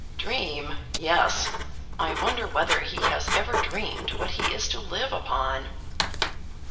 ("Dream! yes; I wonder whether he has ever dreamed what he is to live upon.")